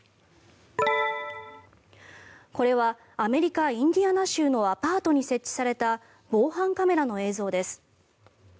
これはアメリカ・インディアナ州のアパートに設置された防犯カメラの映像です。